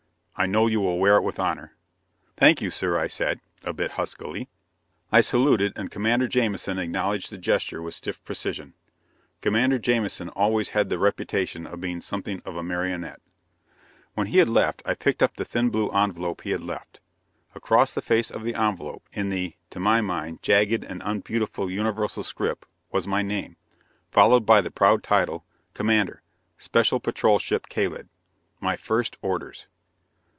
I know you will wear it with honor!" "Thank you, sir!" I said, a bit huskily. I saluted, and Commander Jamison acknowledged the gesture with stiff precision. Commander Jamison always had the reputation of being something of a martinet. When he had left, I picked up the thin blue envelope he had left. Across the face of the envelope, in the to my mind jagged and unbeautiful Universal script, was my name, followed by the proud title: "Commander, Special Patrol Ship Kalid." My first orders!